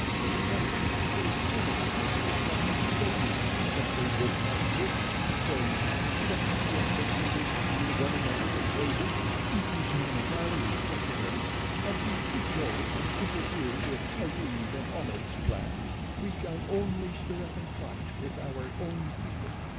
I tried to persuade some of the men to come and save you, but they would not do it, saying: 'Let the unbelievers kill one another if they wish. It is none of our affair, and if we go and interfere with Ali ben Ahmed's plans we shall only stir up a fight with our own people.